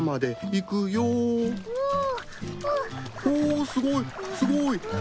おすごいすごい！